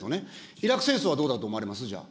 イラク戦争はどうだと思われます、じゃあ。